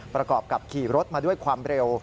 ประกอบกับขี่รถมาด้วยความเร็ว